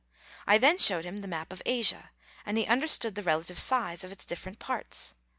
I then showed him the map of Asia, and he understood the relative size of its different parts.